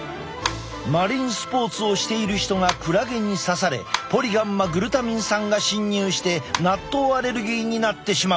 マリンスポーツをしている人がクラゲに刺されポリガンマグルタミン酸が侵入して納豆アレルギーになってしまう。